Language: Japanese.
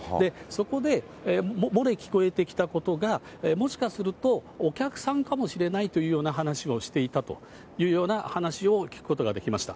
そこで、漏れ聞こえてきたことが、もしかすると、お客さんかもしれないというような話をしていたというような話を聞くことができました。